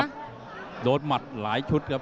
โดนหมัดหลายชุดครับ